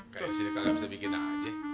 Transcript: kayaknya sini kagak bisa bikin aja